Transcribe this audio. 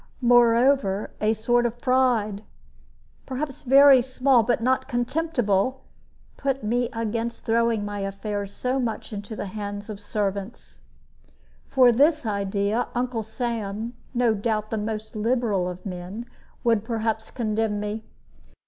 Moreover, a sort of pride perhaps very small, but not contemptible put me against throwing my affairs so much into the hands of servants. For this idea Uncle Sam, no doubt the most liberal of men, would perhaps condemn me.